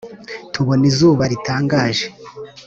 Tubona izuba ritangaje